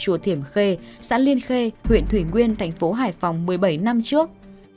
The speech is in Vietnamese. chùa thiểm khê xã liên khê huyện thủy nguyên thành phố hải phòng một mươi bảy năm trước